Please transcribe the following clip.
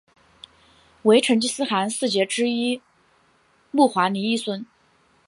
为成吉思汗四杰之一木华黎裔孙。